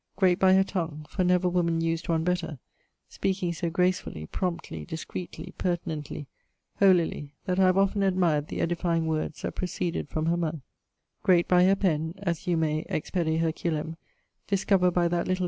great by her tongue, for never woman used one better, speaking so gracefully, promptly, discreetly, pertinently, holily, that I have often admired the edifying words that proceeded from her mouth; great by her pen, as you may (ex pede Herculem) discover by that little[XXVIII.